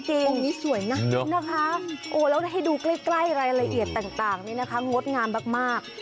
องค์นี้สวยนะนะคะแล้วให้ดูใกล้รายละเอียดต่างนี่นะคะงดงามมาก